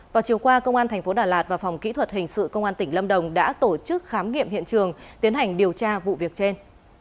vào chiều qua công an tp đà lạt và phòng kỹ thuật hình sự công an tỉnh lâm đồng đã tổ chức khám nghiệm hiện trường tiến hành điều tra vụ việc trên